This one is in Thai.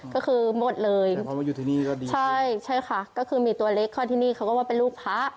ก็คือหมดเลยใช่ค่ะก็คือมีตัวเล็กเขาที่นี่เขาก็ว่าเป็นลูกพระ